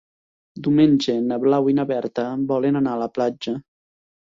Diumenge na Blau i na Berta volen anar a la platja.